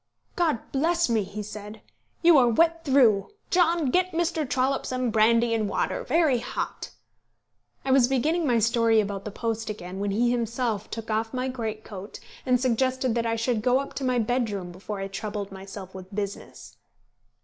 "God bless me!" he said, "you are wet through. John, get Mr. Trollope some brandy and water, very hot." I was beginning my story about the post again when he himself took off my greatcoat, and suggested that I should go up to my bedroom before I troubled myself with business.